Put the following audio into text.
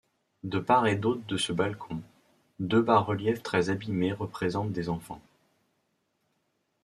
De part et d'autre de ce balcon, deux bas-reliefs très abîmés représentent des enfants.